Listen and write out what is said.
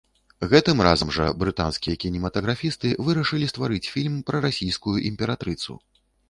Гэтым разам жа брытанскія кінематаграфісты вырашылі стварыць фільм пра расійскую імператрыцу.